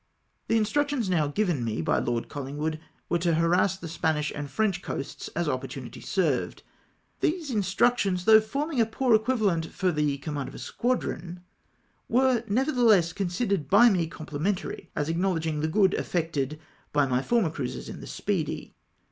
The instructions now given me by Lord Colhngwood were to harass the Spanish and French coast as oppor tunity served. These instructions, though forming a poor equivalent for the command of a squadron, were IIUN INTO VALENCIA. 241 nevertlieless considered by me complimentary, as ac knowledging the good effected by my former cruises in tlie Speedy.